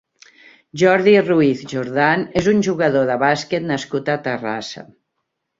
Jordi Ruiz Jordán és un jugador de bàsquet nascut a Terrassa.